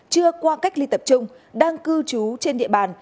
chưa qua cách ly tập trung đang cư trú trên địa bàn